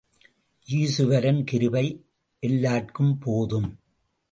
ஈசுவரன் கிருபை எல்லார்க்கும் போதும்.